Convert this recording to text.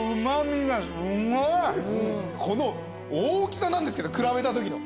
この大きさなんですけど比べたときの。